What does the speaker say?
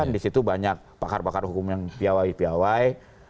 di situ banyak pakar pakar hukum yang piawai piawai